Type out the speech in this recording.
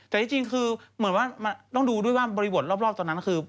แต่จริงคือเหมือนว่าต้องดูด้วยว่าบริบทรอบตอนนั้นคือ